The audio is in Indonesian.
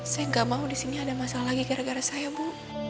saya nggak mau di sini ada masalah lagi gara gara saya bu